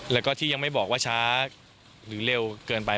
แล้วก็ที่ยังไม่บอกว่าช้าหรือเร็วเกินไป